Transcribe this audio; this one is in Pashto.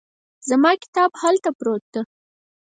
زما کتاب هلته پروت ده